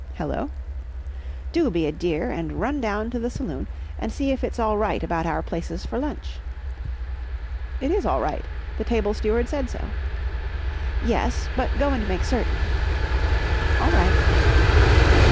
"Hello?" "Do be a dear and run down to the saloon and see if it's all right about our places for lunch." "It is all right. The table steward said so." "Yes, but go and make certain." "All right."